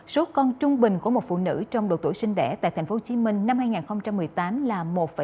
số con trung bình của một phụ nữ trong độ tuổi sinh đẻ tại tp hcm năm hai nghìn một mươi tám là một ba